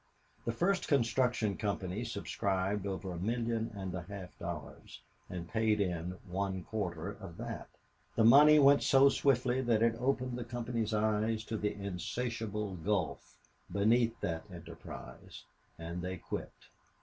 The first construction company subscribed over a million and a half dollars, and paid in one quarter of that. The money went so swiftly that it opened the company's eyes to the insatiable gulf beneath that enterprise, and they quit.